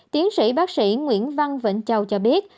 tiến sĩ bác sĩ nguyễn văn vĩnh châu cho biết